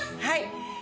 はい。